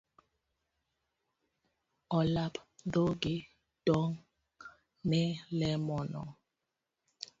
Olap dhogi ndong ne lemono.